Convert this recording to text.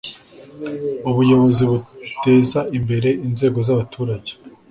ubuyobozi buteza imbere inzego z’ abaturage.